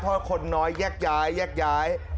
เพราะคนน้อยแยกย้าย